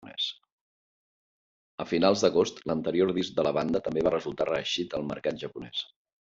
A finals d'agost, l'anterior disc de la banda també va resultar reeixit al mercat japonès.